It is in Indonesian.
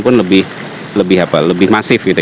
pun lebih masif